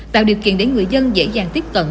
tạo điều kiện để người dân dễ dàng tiếp cận